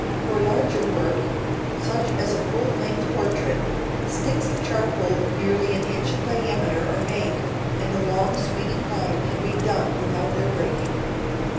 For large work, such as a full length portrait, sticks of charcoal nearly an inch in diameter are made, and a long swinging line can be done without their breaking.